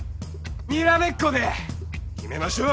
にらめっこで決めましょう！